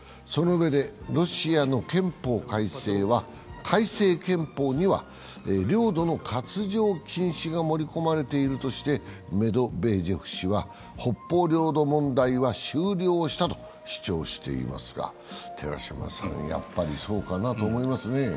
そのうえで、ロシアの憲法改正は改正憲法には領土の割譲禁止が盛り込まれているとしてメドベージェフ氏は北方領土問題は終了したと主張していますがやっぱりそうかなと思いますね。